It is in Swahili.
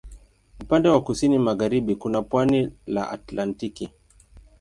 Upande wa kusini magharibi kuna pwani la Atlantiki.